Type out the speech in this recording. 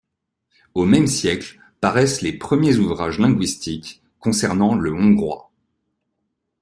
Au même siècle paraissent les premiers ouvrages linguistiques concernant le hongrois.